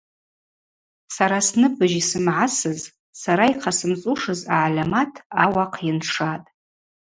Сара сныбыжь йсымгӏасыз, сара йхъасымцӏушыз агӏальамат ауахъ йыншатӏ.